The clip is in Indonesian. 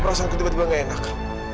kenapa rasaku tiba tiba gak enak